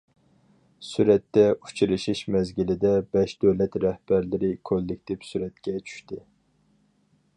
سۈرەتتە: ئۇچرىشىش مەزگىلىدە، بەش دۆلەت رەھبەرلىرى كوللېكتىپ سۈرەتكە چۈشتى.